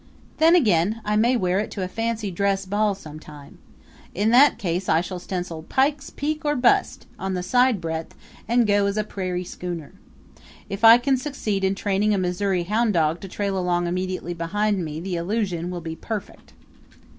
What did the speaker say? Then again I may wear it to a fancy dress ball sometime. In that case I shall stencil Pike's Peak or Bust! on the sidebreadth and go as a prairie schooner. If I can succeed in training a Missouri hound dog to trail along immediately behind me the illusion will be perfect.